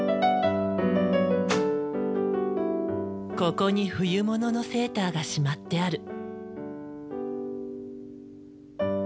ここに冬物のセーターがしまってある。